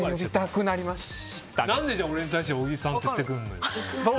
何で俺に対して小木さんって言ってくるの？